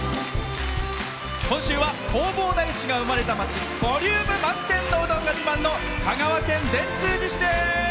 今週は弘法大師が生まれた町ボリューム満点のうどんが自慢の香川県善通寺市です。